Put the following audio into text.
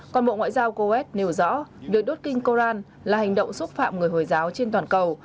còn bộ ngoại giao kuwait nêu rõ việc đốt kinh koran là hành động xúc phạm người hồi giáo trên toàn cầu